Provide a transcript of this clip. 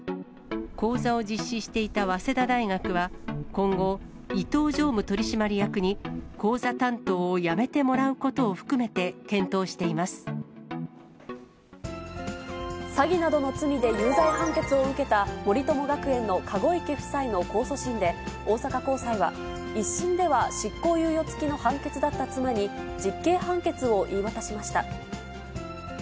講座を実施していた早稲田大学は、今後、伊東常務取締役に、講座担当を辞めてもらうことを含めて、検討し詐欺などの罪で有罪判決を受けた、森友学園の籠池夫妻の控訴審で、大阪高裁は、１審では執行猶予付きの判決だった妻に、実刑判決を言い渡しました。